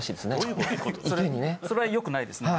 池にねそれはよくないですね